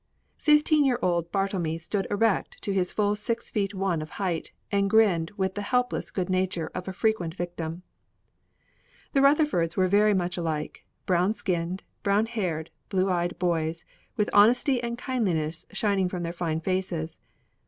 Fifteen year old Bartlemy stood erect to his full six feet one of height, and grinned with the helpless good nature of a frequent victim. The Rutherfords were very much alike, brown skinned, brown haired, blue eyed boys, with honesty and kindliness shining from their fine faces.